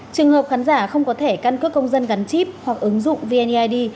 trường hợp khán giả không có thẻ căn cước công dân gắn chip hoặc ứng dụng vneid